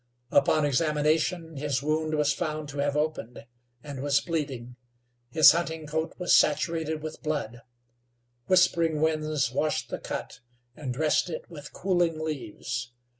Upon examination his wound was found to have opened, and was bleeding. His hunting coat was saturated with blood. Whispering Winds washed the cut, and dressed it with cooling leaves.